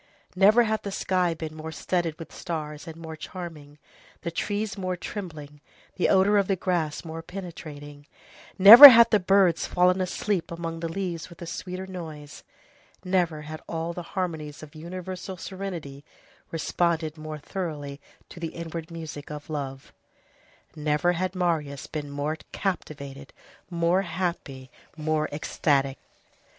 Never had the sky been more studded with stars and more charming, the trees more trembling, the odor of the grass more penetrating; never had the birds fallen asleep among the leaves with a sweeter noise; never had all the harmonies of universal serenity responded more thoroughly to the inward music of love; never had Marius been more captivated, more happy, more ecstatic.